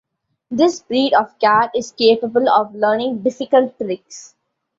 This breed of cat is capable of learning difficult tricks.